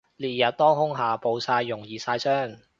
烈日當空下暴曬容易曬傷